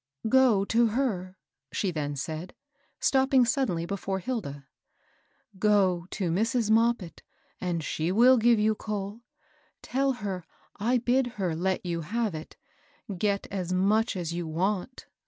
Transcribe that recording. " Go to her," she then said, stopping suddenly hefore Hilda, —" Go to Mrs. Moppit, and she will give you coal. Tell her I bid her let you have it ; get as much as you want."